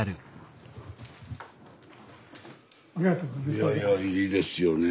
いやいやいいですよね